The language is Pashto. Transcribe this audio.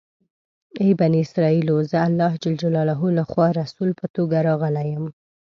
ای بني اسرایلو! زه الله جل جلاله لخوا رسول په توګه راغلی یم.